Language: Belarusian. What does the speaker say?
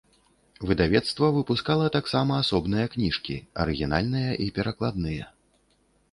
Выдавецтва выпускала таксама асобныя кніжкі, арыгінальныя і перакладныя.